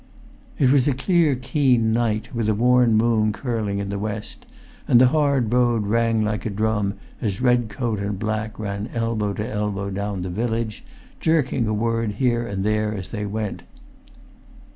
It was a clear keen night with a worn moon curling in the west; and the hard road rang like a drum as red coat and black ran elbow to elbow down the village, jerking a word here and there as they went.